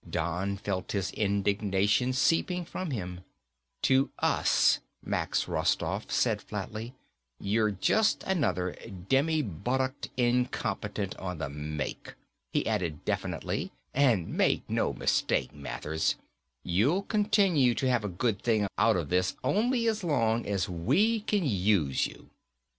Don felt his indignation seeping from him. "To us," Max Rostoff said flatly, "you're just another demi buttocked incompetent on the make." He added definitely, "And make no mistake, Mathers, you'll continue to have a good thing out of this only so long as we can use you."